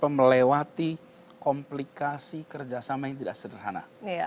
melewati komplikasi kerjasama yang tidak sederhana